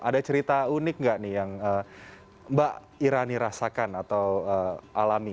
ada cerita unik nggak nih yang mbak irani rasakan atau alami